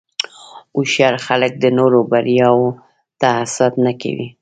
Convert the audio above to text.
هوښیار خلک د نورو بریاوو ته حسد نه کوي.